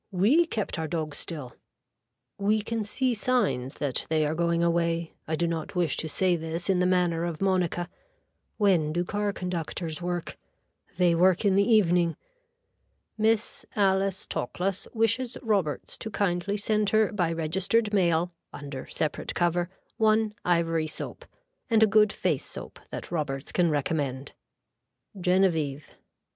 We kept our dog still. We can see signs that they are going away. I do not wish to say this in the manner of Monica. When do car conductors work. They work in the evening. Miss Alice Toklas wishes Roberts to kindly send her by registered mail under separate cover 1 Ivory soap and a good face soap that Roberts can recommend. (Genevieve.)